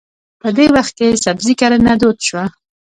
په دې وخت کې سبزي کرنه دود شوه.